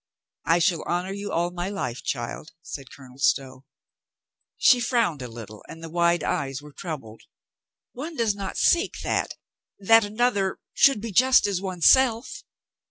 "I shall honor you all my life, child," said Colonel Stow. She frowned a little and the wide eyes were troubled. "One does not seek that — that another — should be just as oneself."